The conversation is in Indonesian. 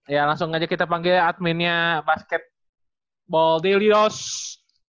ya langsung aja kita panggil adminnya basketball daily dose